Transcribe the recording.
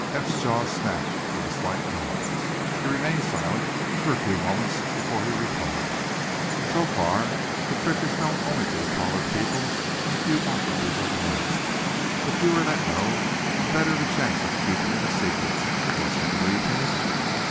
Eph's jaws snapped with a slight noise. He remained silent, for a few moments, before he replied: "So far, that trick is known only to the Pollard people and a few officers of the Navy. The fewer that know, the better the chance of keeping it a secret. Don't you believe me?"